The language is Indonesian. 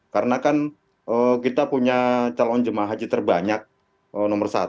karena kan kita punya calon jemaah haji terbanyak nomor satu